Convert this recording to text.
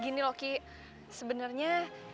gini loki sebenernya